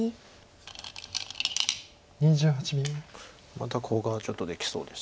またコウがちょっとできそうです。